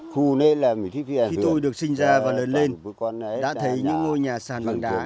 khi tôi được sinh ra và lớn lên đã thấy những ngôi nhà sàn bằng đá